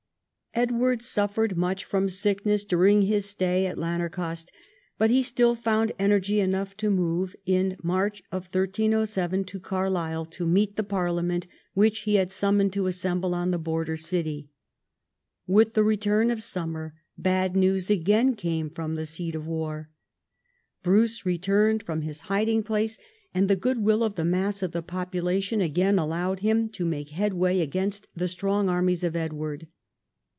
Edward suffered much from sickness during his stay at Lanercost, but he still found energy enough to move, in March 1307, to Carlisle to meet the parliament which he had summoned to assemble in the border city. With the return of summer, bad news again came from the seat of war. Bruce returned from his hiding place, and the good will of the mass of the population again allowed him to make headway against the strong armies of Edward.